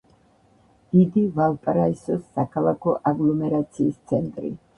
დიდი ვალპარაისოს საქალაქო აგლომერაციის ცენტრი.